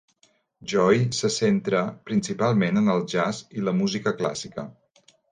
Joey se centra principalment en el jazz i la música clàssica.